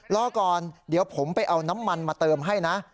รอก่อนเดี๋ยวผมไปเอาน้ำมันมาเติมให้นะ